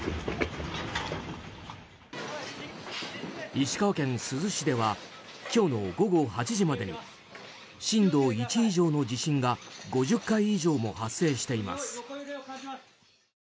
石川県珠洲市では今日の午後８時までに震度１以上の地震が５０回以上も発生しています。